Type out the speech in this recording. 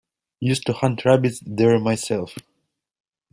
Used to hunt rabbits there myself.